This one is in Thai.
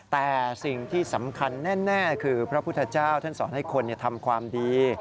แต่สิ่งที่สำคัญแน่คือพระพุทธเจ้าท่านสอนให้คนทำความดี